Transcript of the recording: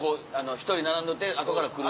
１人並んどって後から来る。